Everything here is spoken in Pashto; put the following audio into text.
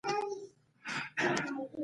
پوهنتونونه باید د علم او پوهې مرکزونه وي